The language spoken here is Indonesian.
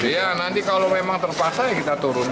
iya nanti kalau memang terpaksa ya kita turun